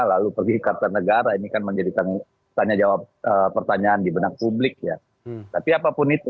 minimal ilegara ini kan menjadi tanya tanya pertanyaan di benak publik ya tapi apapun itu